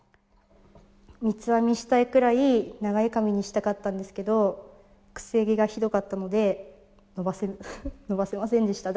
三つ編みしたいくらい長い髪にしたかったんですけどくせ毛がひどかったので伸ばせ伸ばせませんでした。